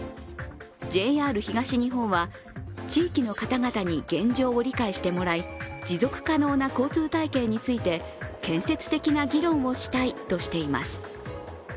ＪＲ東日本は地域の方々に現状を理解してもらい持続可能な交通体系について建設的な議論をしたいとしています。